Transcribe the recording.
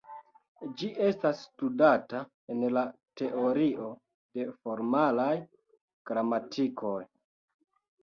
Ĝi estas studata en la Teorio de formalaj gramatikoj.